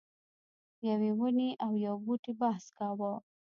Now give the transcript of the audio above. یوې ونې او یو بوټي بحث کاوه.